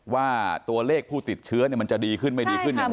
ว่าตัวเลขผู้ติดเชื้อมันจะดีขึ้นไม่ดีขึ้นอย่างไร